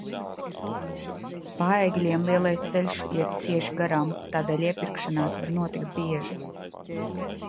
Paegļiem lielais ceļš iet cieši garām, tādēļ iepirkšanās var notikt bieži.